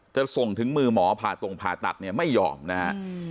จะส่งถึงมือหมอผ่าตรงผ่าตัดเนี่ยไม่ยอมนะฮะ